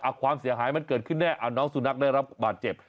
ความเสียหายมันเกิดขึ้นแน่อ่าน้องสุนัขได้รับบาดเจ็บ